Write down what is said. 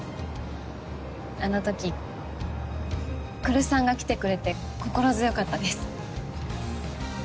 あのとき来栖さんが来てくれて心強かったです。